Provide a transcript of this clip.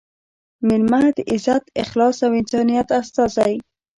مېلمه – د عزت، اخلاص او انسانیت استازی